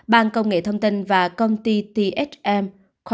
bàn công nghệ thông tin và công ty thm